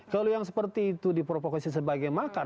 kalau yang seperti itu diproposisi sebagai makar